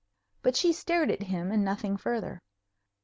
But she stared at him, and nothing further.